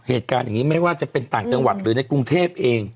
เหตุการณ์อย่างนี้ไม่ว่าจะเป็นต่างจังหวัดหรือในกรุงเทพเอง